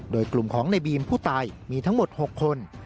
โดยกลุ่มของในบีมผู้ตายมีทั้งหมด๖คน